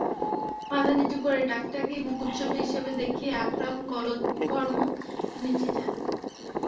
মাথা নিচু করে টাকটাকেই মুখচ্ছবি হিসেবে দেখিয়ে আকরাম গলদঘর্ম নেচে যান।